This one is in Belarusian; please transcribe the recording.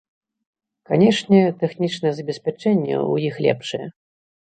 Канечне, тэхнічнае забеспячэнне ў іх лепшае.